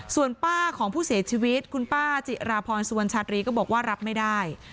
ส่วนป้าของผู้เสียชีวิตคุณป้าจิราพรสุวรรณชาตรีก็บอกว่ารับไม่ได้